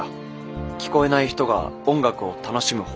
聞こえない人が音楽を楽しむ方法。